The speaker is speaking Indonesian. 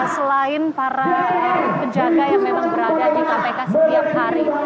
selain para penjaga yang memang berada di kpk setiap hari